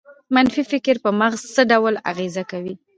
منفي فکر په مغز څه ډول اغېز کوي؟